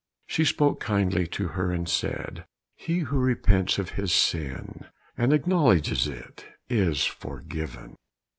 She spoke kindly to her, and said, "He who repents his sin and acknowledges it, is forgiven."